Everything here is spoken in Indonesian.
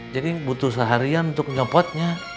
jadi butuh seharian untuk nyopotnya